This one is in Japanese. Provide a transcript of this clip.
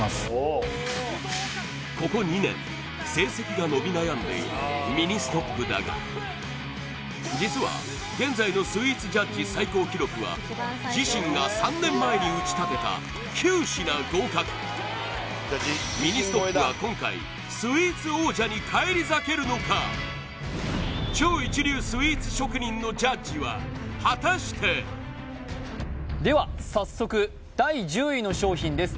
ここ２年成績が伸び悩んでいるミニストップだが実は現在のスイーツジャッジ最高記録は自身が３年前に打ちたてた９品合格ミニストップは今回超一流スイーツ職人のジャッジは果たしてでは早速第１０位の商品です